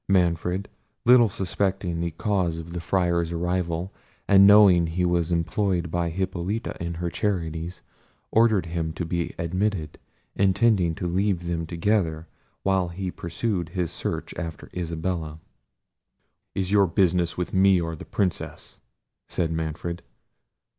Manfred, little suspecting the cause of the Friar's arrival, and knowing he was employed by Hippolita in her charities, ordered him to be admitted, intending to leave them together, while he pursued his search after Isabella. "Is your business with me or the Princess?" said Manfred.